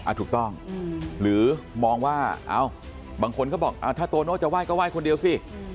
ถูกต้องหรือมองว่าเอ้าบางคนก็บอกถ้าโตโน่จะไห้ก็ไห้คนเดียวสิ